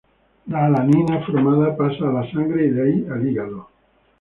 La alanina formada pasa a la sangre y de ahí al hígado.